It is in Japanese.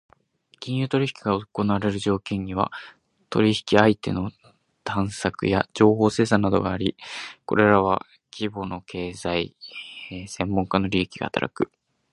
金融取引が行われる条件には、取引相手の探索や情報生産などがあり、これらは規模の経済・専門家の利益が働く。